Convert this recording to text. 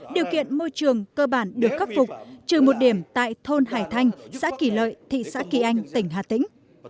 điều kiện môi trường cơ bản được khắc phục trừ một điểm tại thôn hải thanh xã kỳ lợi thị xã kỳ anh tỉnh hà tĩnh